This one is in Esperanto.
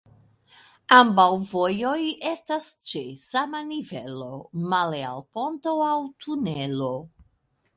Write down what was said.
Ambaŭ vojoj estas ĉe sama nivelo, male al ponto aŭ tunelo.